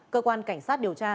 cơ quan cảnh sát điều tra